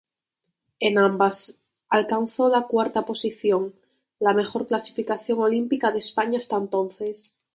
En ambas alcanzó la cuarta posición, la mejor clasificación olímpica de España hasta entonces.